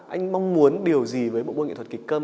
anh mong muốn điều gì với bộ môn nghệ thuật kịch cơm